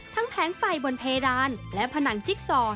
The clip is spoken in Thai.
ทั้งแพงไฟบนเพดานท์และผนังจิกซอด